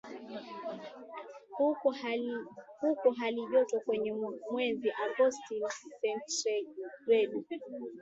Huko halijoto kwenye mwezi Agosti ni sentigredi